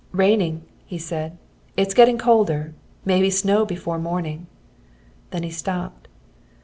"Raining," he said. "It's getting colder. May be snow before morning." Then he stopped.